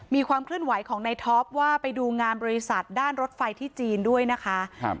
มีความเคลื่อนไหวของในท็อปว่าไปดูงานบริษัทด้านรถไฟที่จีนด้วยนะคะ